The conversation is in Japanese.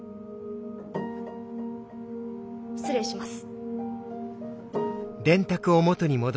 失礼します。